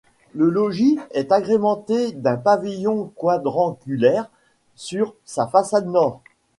Le logis est agrémenté d'un pavillon quadrangulaire sur sa façade nord.